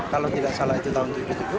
kalau tidak salah itu tahun dua ribu tujuh belas